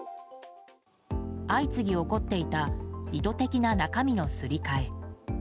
相次ぎ起こっていた意図的な中身のすり替え。